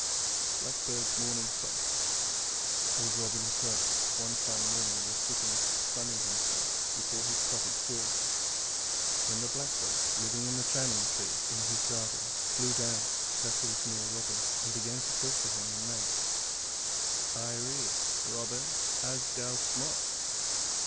BLACKBIRD'S MORNING SONG Old Robin Quirk one fine morning was sitting sunning himself before his cottage door, when the Blackbird, living in the Tramman Tree in his garden, flew down, settled near Robin, and began to talk to him in Manx: 'Irree, Robin, as gow smook.'